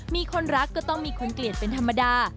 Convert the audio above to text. มีคนรักก็ต้องมีคนเกลียดเป็นธรรมดา